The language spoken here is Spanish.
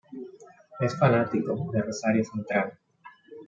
Es fanático de Rosario Central.